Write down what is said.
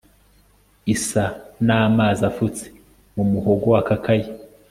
isa n'amazi afutse mu muhogo wakakaye